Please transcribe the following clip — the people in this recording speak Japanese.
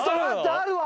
あるわ！